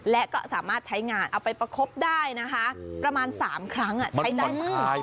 และก็สามารถใช้งานเอาไปประคบได้นะคะประมาณ๓ครั้งใช้ได้มาก